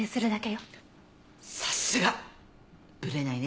さすが！ぶれないね。